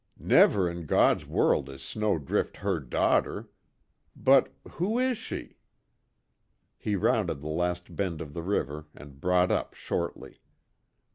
"Never in God's world is Snowdrift her daughter! But who is she?" He rounded the last bend of the river and brought up shortly.